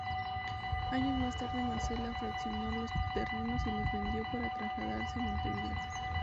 Años más tarde Marcela fraccionó los terrenos y los vendió para trasladarse a Montevideo.